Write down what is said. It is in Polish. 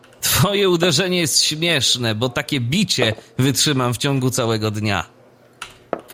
"Twoje uderzenie jest śmieszne, bo takie bicie wytrzymam w ciągu całego dnia."